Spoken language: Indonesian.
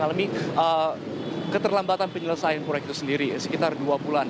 karena memang saya tidak bisa mengalami penyelesaian proyek itu sendiri sekitar dua bulan